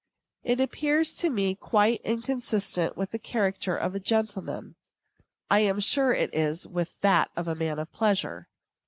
It appears to me quite inconsistent with the character of a gentleman; I am sure it is with that of a man of pleasure.